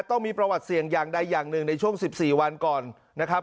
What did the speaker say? ต้องมีประวัติเสี่ยงอย่างใดอย่างหนึ่งในช่วง๑๔วันก่อนนะครับ